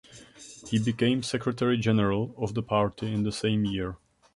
He became Secretary General of the party in the same year.